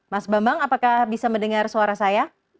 mas bambang apakah bisa mendengar suara saya